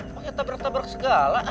pakai tabrak tabrak segala